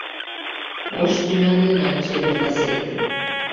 Ош тӱня денат чеверласет».